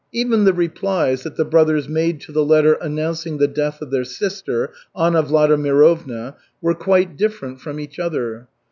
Even the replies that the brothers made to the letter announcing the death of their sister, Anna Vladimirovna, were quite different from each other.